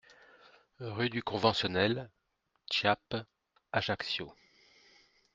Rue du Conventionnel Chiappe, Ajaccio